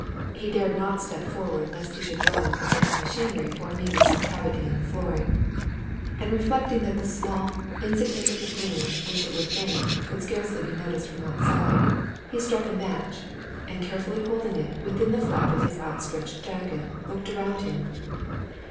He dared not step forward lest he should run against machinery or meet with some cavity in the flooring. And reflecting that the small, insignificant gleam which it would make could scarcely be noticed from outside, he struck a match, and carefully holding it within the flap of his outstretched jacket, looked around him.